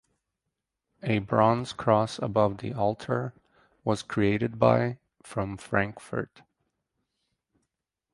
A bronze cross above the altar was created by from Frankfurt.